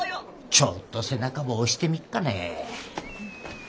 ちょっと背中ば押してみっかね。